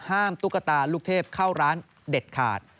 ตุ๊กตาลูกเทพเข้าร้านเด็ดขาด